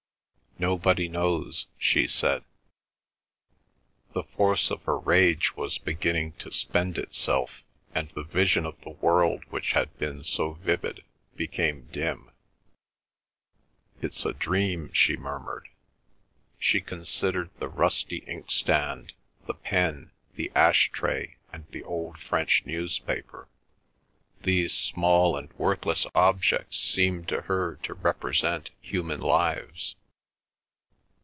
"Nobody knows," she said. The force of her rage was beginning to spend itself, and the vision of the world which had been so vivid became dim. "It's a dream," she murmured. She considered the rusty inkstand, the pen, the ash tray, and the old French newspaper. These small and worthless objects seemed to her to represent human lives.